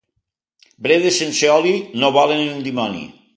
Bledes sense oli no valen un dimoni.